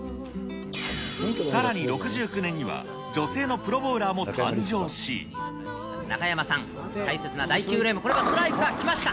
さらに６９年には、中山さん、大切な第９フレーム、これもストライク、きました。